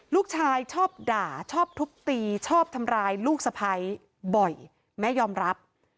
ลูกชายชอบด่าชอบทุบตีชอบทำร้ายลูกสะพ้ายบ่อยแม่ยอมรับ